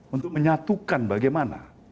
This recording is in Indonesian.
untuk menyatukan bagaimana